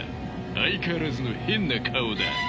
相変わらずの変な顔だ。